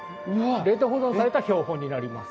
冷凍保存された標本になります。